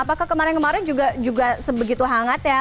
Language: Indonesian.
apakah kemarin kemarin juga sebegitu hangat ya